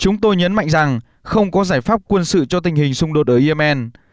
chúng tôi nhấn mạnh rằng không có giải pháp quân sự cho tình hình xung đột ở yemen